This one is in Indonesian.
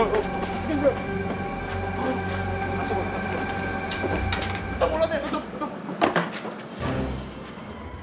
tutup mulut ya